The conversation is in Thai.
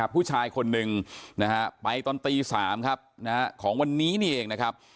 ผู้ชายคนหนึ่งไปตอนตี๓ของวันนี้เอง